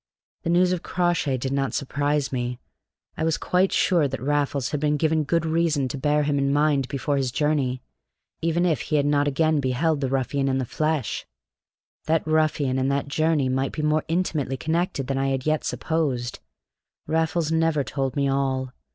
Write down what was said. The news of Crawshay did not surprise me. I was quite sure that Raffles had been given good reason to bear him in mind before his journey, even if he had not again beheld the ruffian in the flesh. That ruffian and that journey might be more intimately connected than I had yet supposed. Raffles never told me all.